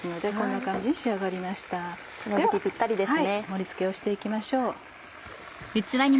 盛り付けをして行きましょう。